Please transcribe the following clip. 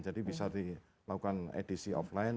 jadi bisa dilakukan edisi offline